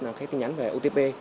là cái tin nhắn về otp